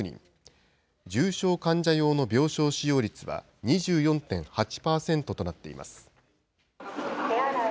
重症患者用の病床使用率は２４．８％となっています。